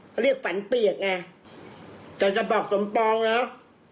เขาเรียกฝันเปียกไงแต่จะบอกสมปองเนอะ